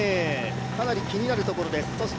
かなり気になるところです。